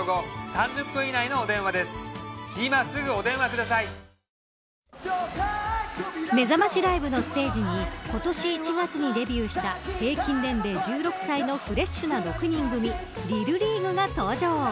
ただ、それぞれの百貨店で特典が違うのでめざましライブのステージに今年１月にデビューした平均年齢１６歳のフレッシュな６人組ＬＩＬＬＥＡＧＵＥが登場。